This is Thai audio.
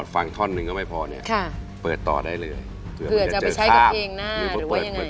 ท่อนหนึ่งก็ไม่พอเนี่ยเปิดต่อได้เลยเผื่อจะไปใช้กับเพลงหน้าหรือว่ายังไง